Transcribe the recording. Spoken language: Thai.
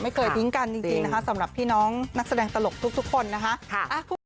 ไม่เคยทิ้งกันจริงนะคะสำหรับพี่น้องนักแสดงตลกทุกคนนะคะ